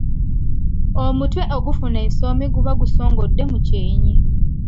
Omutwe okufuna ensoomi guba gusongodde mu kyenyi.